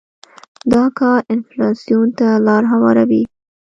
دا کار انفلاسیون ته لار هواروي.